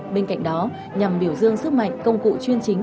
bên cạnh đó nhằm biểu dương sức mạnh công cụ chuyên chính